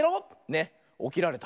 ねおきられた。